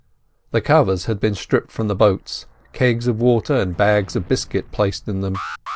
The covers had been stripped from the boats, kegs of water and bags of biscuit placed in them.